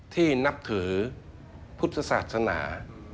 ที่นับถือพุทธศาสนา